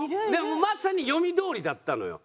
まさに読みどおりだったのよ。